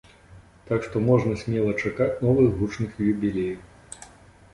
Так што можна смела чакаць новых гучных юбілеяў.